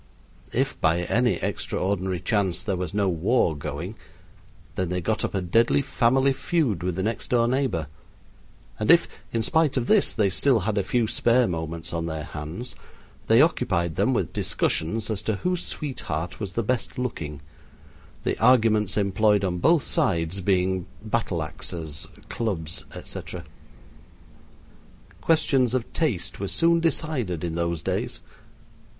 If, by any extraordinary chance, there was no war going, then they got up a deadly family feud with the next door neighbor, and if, in spite of this, they still had a few spare moments on their hands, they occupied them with discussions as to whose sweetheart was the best looking, the arguments employed on both sides being battle axes, clubs, etc. Questions of taste were soon decided in those days.